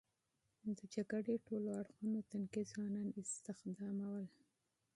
د جګړې ټولو اړخونو تنکي ځوانان استخدامول.